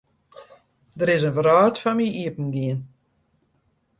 Der is in wrâld foar my iepengien.